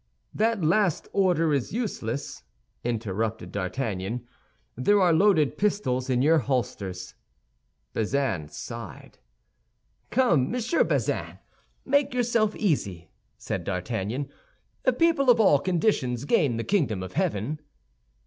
"That last order is useless," interrupted D'Artagnan; "there are loaded pistols in your holsters." Bazin sighed. "Come, Monsieur Bazin, make yourself easy," said D'Artagnan; "people of all conditions gain the kingdom of heaven."